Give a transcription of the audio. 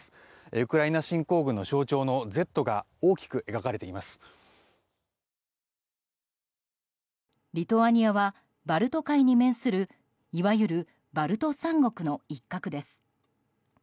ウクライナ侵攻軍の象徴の「Ｚ」がリトアニアはバルト海に面するいわゆるバルト三国の一角です。